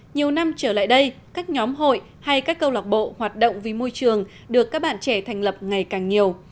nhiều năm trở lại đây các nhóm hội hay các câu lạc bộ hoạt động vì môi trường được các bạn trẻ thành lập ngày càng nhiều